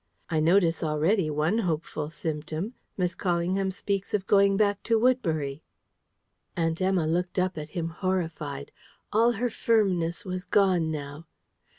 I notice already one hopeful symptom: Miss Callingham speaks of going back to Woodbury." Aunt Emma looked up at him, horrified. All her firmness was gone now.